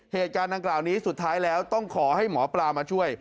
เหตุการณ์ดังกล่าวนี้สุดท้ายแล้วต้องขอให้หมอปลามาช่วย